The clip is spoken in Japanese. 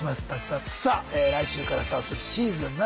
さあ来週からスタートするシーズン７。